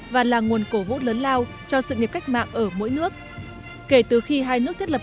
và là nguồn cổ vũ lớn lao cho sự nghiệp cách mạng ở mỗi nước kể từ khi hai nước thiết lập